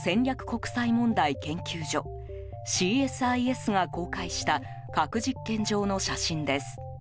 国際問題研究所・ＣＳＩＳが公開した、核実験場の写真です。